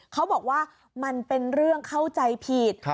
เขาบอกว่ามันเป็นเรื่องเข้าใจผิด